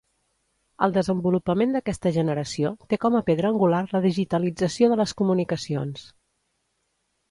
El desenvolupament d'aquesta generació té com a pedra angular la digitalització de les comunicacions.